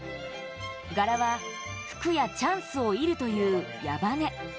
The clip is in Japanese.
柄は福やチャンスを射るという矢羽根。